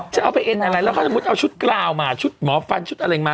จะเอาไปเอ็นอะไรแล้วเขาสมมุติเอาชุดกราวมาชุดหมอฟันชุดอะไรมา